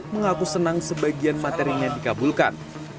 mengaku senang sebagian materinya dikabulkan